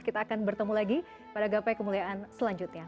kita akan bertemu lagi pada gapai kemuliaan selanjutnya